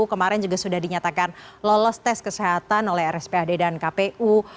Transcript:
kemarin juga sudah dinyatakan lolos tes kesehatan oleh rspad dan kpu